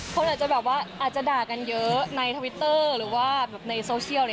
คนอาจจะแบบว่าอาจจะด่ากันเยอะในทวิตเตอร์หรือว่าในโซเชียล